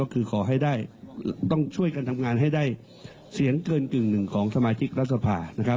ก็คือต้องช่วยกันทำงานให้ได้เสียงเกินกึ่งหนึ่งของสมาชิกรัฐธรรภา